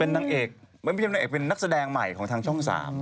เป็นนักเอกไม่เป็นนักเอกเป็นนักแสดงใหม่ของทางช่องสาม